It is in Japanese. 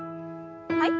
はい。